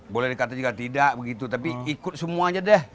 boleh dikatakan juga tidak begitu tapi ikut semuanya deh